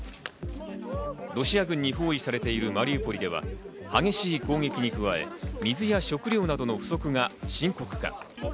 ロシア軍に包囲されているマリウポリでは激しい攻撃に加え、水や食料などの不足が深刻化。